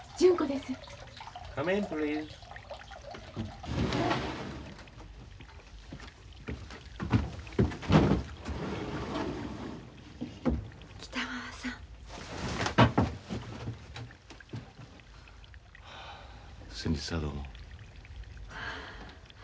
先日はどうも。